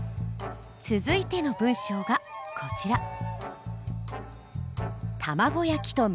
続いての文章がこちら。